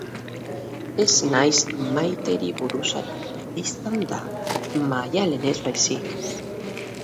Ez naiz Maiteri buruz ari, bistan da, Maialenez baizik.